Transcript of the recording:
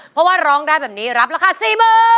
เพราะว่าร้องได้แบบนี้รับราคาสี่หมื่น